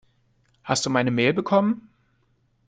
Hast du meine Mail bekommen?